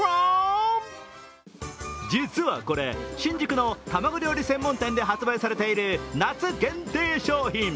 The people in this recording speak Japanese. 実はこれ、新宿の卵料理専門店で発売されている夏限定商品。